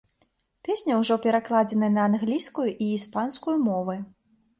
Песня ўжо перакладзеная на англійскую і іспанскую мовы.